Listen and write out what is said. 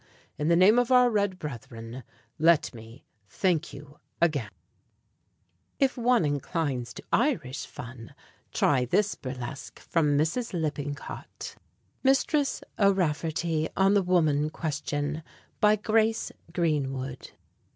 "In the name of our red brethren, let me again thank you." If one inclines to Irish fun, try this burlesque from Mrs. Lippincott. MISTRESS O'RAFFERTY ON THE WOMAN QUESTION. BY GRACE GREENWOOD.